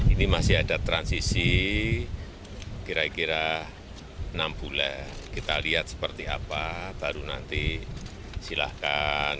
ini masih ada transisi kira kira enam bulan kita lihat seperti apa baru nanti silahkan